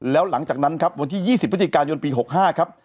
แล้วหลังจากนั้นครับวันที่๒๐พฤศจิกายนปี๖๕ครับ